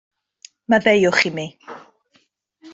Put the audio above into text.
Maddeuwch i mi.